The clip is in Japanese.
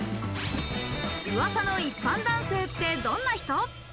噂の一般男性ってどんな人？